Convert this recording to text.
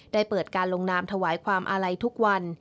ได้เปิดการลงนามถวายความอาลัยทุกวัน